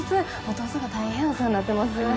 弟が大変お世話になってます